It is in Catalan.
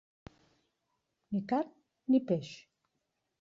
Ni carn ni peix.